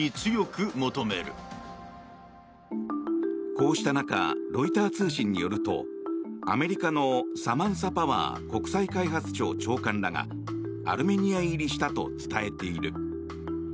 こうした中ロイター通信によるとアメリカのサマンサ・パワー国際開発庁長官らがアルメニア入りしたと伝えている。